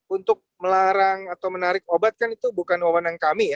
untuk melarang atau menarik obat kan itu bukan wawanan kami ya